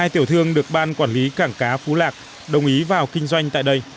một hai tiểu thương được ban quản lý cảng cá phú lạc đồng ý vào kinh doanh tại đây